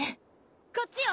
・こっちよ！